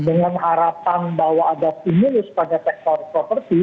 dengan harapan bahwa ada stimulus pada sektor properti